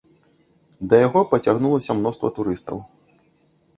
Да яго пацягнулася мноства турыстаў.